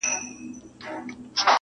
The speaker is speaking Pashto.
يو ځل ځان لره بوډۍ كړوپه پر ملا سه؛